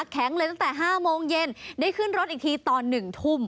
แข็งเลยตั้งแต่๕โมงเย็นได้ขึ้นรถอีกทีตอน๑ทุ่ม